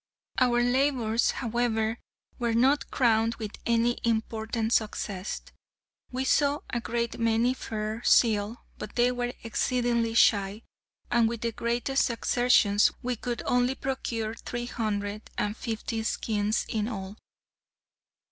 Our labours, however, were not crowned with any important success. We saw a great many fur seal, but they were exceedingly shy, and with the greatest exertions, we could only procure three hundred and fifty skins in all.